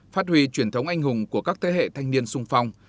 phát huy truyền thống anh hùng của các thế hệ thanh niên sung phong